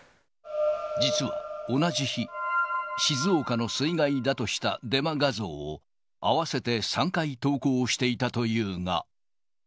実は同じ日、静岡の水害だとしたデマ画像を、合わせて３回投稿していたというが。